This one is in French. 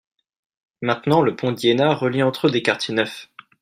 Maintenant le pont d'Iéna relie entre eux des quartiers neufs.